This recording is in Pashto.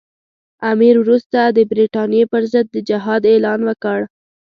امیر وروسته د برټانیې پر ضد د جهاد اعلان وکړ.